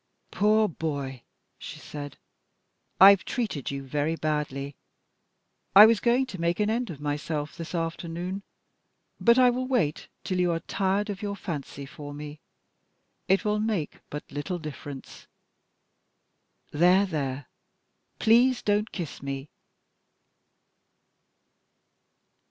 "Poor boy!" she said; "I've, treated you very badly. I was going to make an end of myself this afternoon, but I will wait till you are tired of your fancy for me. It will make but little difference. There! there! Please don't kiss me."